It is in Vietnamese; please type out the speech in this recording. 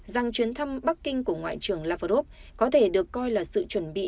rằng chuyến thăm bắc kinh của ngoại trưởng lavrov có thể được coi là sự chuẩn bị